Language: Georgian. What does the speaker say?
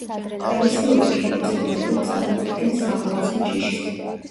გალისიური ქერა ძირითადად წარმოადგენს სახორცე ჯიშს.